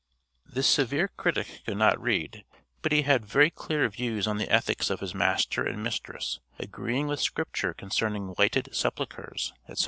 This severe critic could not read, but he had very clear views on the ethics of his master and mistress, agreeing with Scripture concerning whited sepulchres, etc.